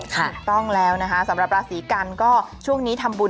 ถูกต้องแล้วนะคะสำหรับราศีกันก็ช่วงนี้ทำบุญ